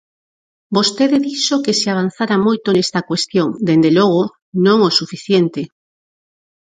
Vostede dixo que se avanzara moito nesta cuestión; dende logo non o suficiente.